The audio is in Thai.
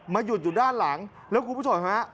หยุดอยู่ด้านหลังแล้วคุณผู้ชมฮะ